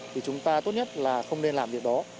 thì chúng ta tốt nhất là không nên làm việc đó